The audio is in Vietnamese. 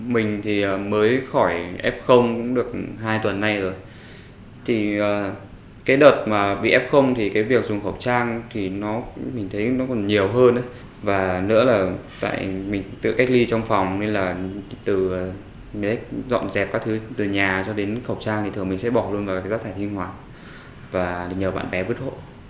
mình sẽ dọn dẹp các thứ từ nhà cho đến khẩu trang thì thường mình sẽ bỏ luôn vào các rác thải sinh hoạt và để nhờ bạn bé vứt hộ